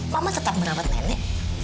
mama tetap merawat nenek